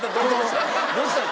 どうしたの？